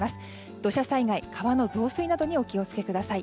土砂災害、川の増水などにお気をつけください。